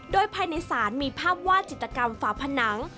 โดยภายในศาลมีภาพวาดจิตกรรมฝาผนัง